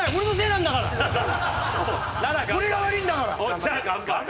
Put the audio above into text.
俺が悪いんだから！